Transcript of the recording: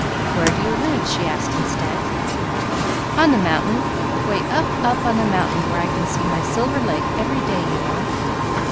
"Where do you live?" she asked instead. "On the mountain, 'way up, up on the mountain where I can see my Silver Lake every day, you know."